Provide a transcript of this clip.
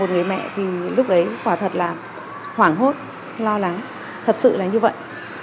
một người mẹ thì lúc đấy quả thật là hoảng hốt lo lắng thật sự là như vậy